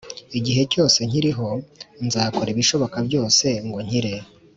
Igihe cyose nkiriho nzakora ibishoboka byose ngo nkire